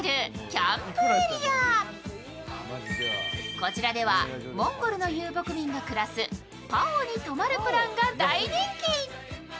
こちらでは、モンゴルの遊牧民が暮らすパオに泊まるプランが大人気。